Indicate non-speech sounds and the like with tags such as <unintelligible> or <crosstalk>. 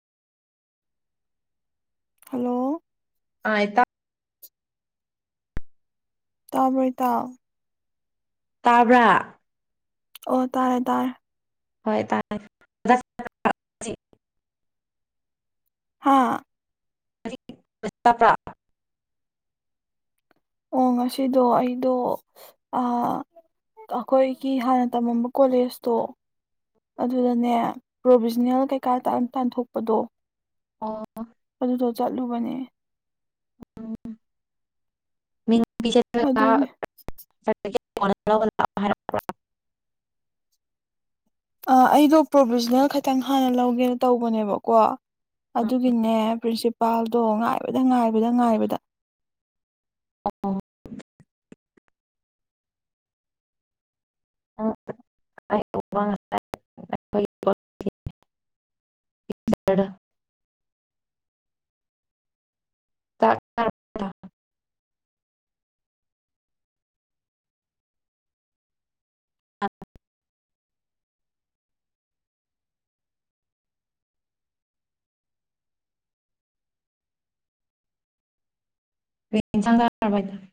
hello <unintelligible> ꯇꯥꯕꯣꯏ ꯇꯥꯎ ꯇꯥꯕ꯭ꯔꯥ ꯑꯣ ꯇꯥꯔꯦ ꯇꯥꯔꯦ ꯍꯣꯏ ꯇꯥꯏ <unintelligible> ꯍꯥꯥ <unintelligible> ꯑꯣ ꯉꯁꯤꯗꯣ ꯑꯩꯗꯣ ꯑ ꯑꯩꯈꯣꯏꯒꯤ ꯍꯥꯟꯅ ꯇꯝꯃꯝꯕ ꯀꯣꯂꯦꯖꯇꯣ ꯑꯗꯨꯗꯅꯦ ꯄ꯭ꯔꯣꯕꯤꯖꯅꯦꯜ ꯀꯩꯀꯥ ꯇꯥꯟꯊꯣꯛꯄꯗꯣ ꯑꯣ ꯑꯗꯨꯗꯣ ꯆꯠꯂꯨꯕꯅꯦ ꯑꯗꯨꯒꯤ <unintelligible> ꯍꯥꯏꯔꯛꯄ꯭ꯔꯥ ꯑꯩꯗꯣ ꯄ꯭ꯔꯣꯚꯖꯅꯦꯜ ꯈꯇꯪ ꯍꯥꯟꯅ ꯂꯧꯒꯦꯅ ꯇꯧꯕꯅꯦꯕꯀꯣ ꯑꯗꯨꯒꯤꯅꯦ ꯄ꯭ꯔꯤꯟꯁꯤꯄꯥꯜꯗꯣ ꯉꯥꯏꯕꯗ ꯉꯥꯏꯕꯗ ꯉꯥꯏꯕꯗ ꯑ ꯎ ꯔ ꯇ ꯀ ꯆꯥꯡꯒꯔꯗ